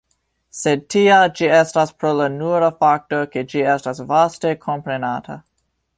Sed tia ĝi estas pro la nura fakto ke ĝi estas vaste komprenata.